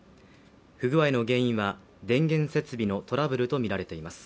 不具合の原因は電源設備のトラブルとみられています。